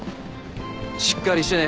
しっかりしてね。